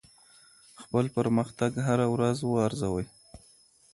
خپل پرمختګ هره ورځ وارزوئ.